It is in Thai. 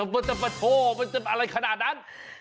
ประโธ่อะไรขนาดนั้น